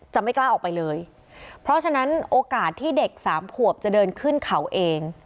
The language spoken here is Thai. ไม่กล้าออกไปเลยเพราะฉะนั้นโอกาสที่เด็กสามขวบจะเดินขึ้นเขาเอง